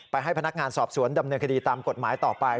ให้พนักงานสอบสวนดำเนินคดีตามกฎหมายต่อไป